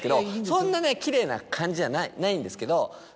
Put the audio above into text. そんなねきれいな感じじゃないんですけど。